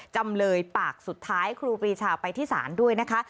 จำเลยปากสุดท้ายครูปรีชาไปที่ศาลด้วยนะคะ